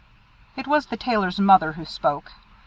It was the Tailor's mother who spoke.